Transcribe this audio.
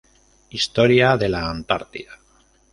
Historia de la Antártida